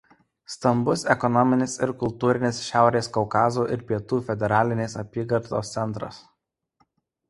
Stambus ekonominis ir kultūrinis Šiaurės Kaukazo ir Pietų federalinės apygardos centras.